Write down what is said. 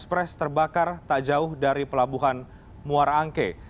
kapal zahro express terbakar tak jauh dari pelabuhan muarangke